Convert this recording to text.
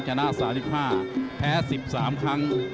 ชนะ๓๕แพ้๑๓ครั้ง